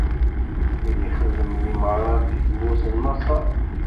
Mi yexdem limaṛat di tmurt n Maṣer.